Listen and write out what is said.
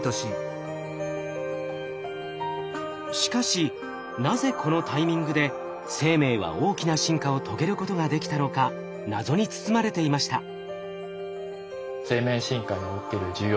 しかしなぜこのタイミングで生命は大きな進化を遂げることができたのか謎に包まれていました。